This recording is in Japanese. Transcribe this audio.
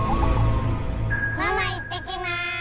ママいってきます。